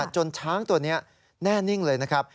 จนช้างตัวนี้แน่นิ่งเลยนะครับ